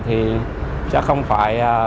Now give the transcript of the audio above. thì chắc không phải